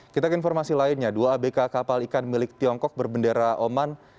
kita ke informasi lainnya dua abk kapal ikan milik tiongkok berbendera oman